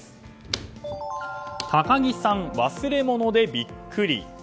高木さんの忘れ物でビックリ。